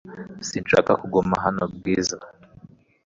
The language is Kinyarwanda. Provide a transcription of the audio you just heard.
Sinshaka kuguma hano, Bwiza .